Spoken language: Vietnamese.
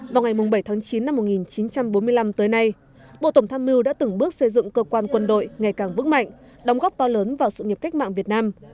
vào ngày bảy tháng chín năm một nghìn chín trăm bốn mươi năm tới nay bộ tổng tham mưu đã từng bước xây dựng cơ quan quân đội ngày càng vững mạnh đóng góp to lớn vào sự nghiệp cách mạng việt nam